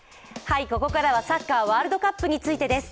ここからはサッカーワールドカップについてです。